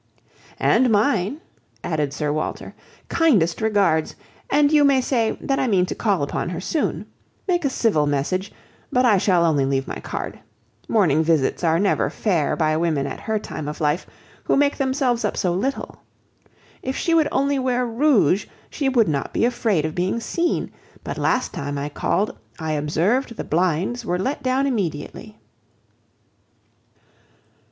"And mine," added Sir Walter. "Kindest regards. And you may say, that I mean to call upon her soon. Make a civil message; but I shall only leave my card. Morning visits are never fair by women at her time of life, who make themselves up so little. If she would only wear rouge she would not be afraid of being seen; but last time I called, I observed the blinds were let down immediately."